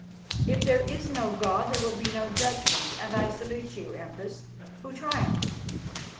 If there is no God there will be no judgment, and I salute you, Empress, who triumph.